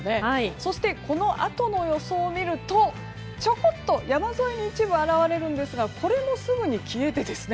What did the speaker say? そして、このあとの予想を見るとちょこっと山沿いに一部現れますがこれもすぐに消えてですね